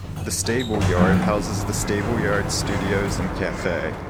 The stableyard houses the Stableyard Studios and cafe.